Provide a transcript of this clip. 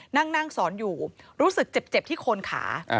นั่งสอนอยู่รู้สึกเจ็บที่โคนขา